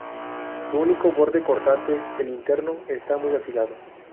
Su único borde cortante, el interno, está muy afilado.